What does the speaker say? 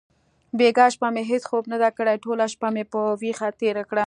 بیګا شپه مې هیڅ خوب ندی کړی. ټوله شپه مې په ویښه تېره کړه.